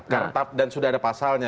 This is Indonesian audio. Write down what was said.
kartap dan sudah ada pasalnya